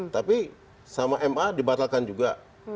tapi sama ma dibatalkan juga